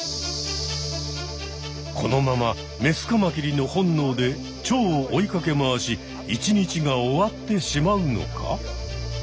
このままメスカマキリの本能でチョウを追いかけ回し一日が終わってしまうのか。